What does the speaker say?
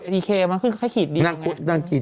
มันเคยขึ้นข้างขีดเดียวไงนางขีดเดียว